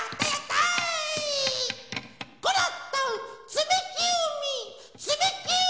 つみきうみつみきうみ！